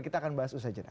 kita akan bahas itu saja